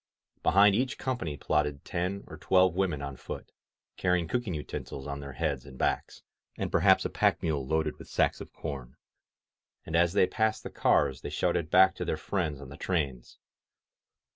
Behind each company plodded ten or twelve women on foot, carrying cooking utensils on their heads and backs, and perhaps a pack mule loaded with sacks of corn. And as they passed the cars they shouted back to their friends on the trains.